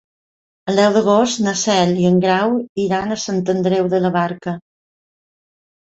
El deu d'agost na Cel i en Grau iran a Sant Andreu de la Barca.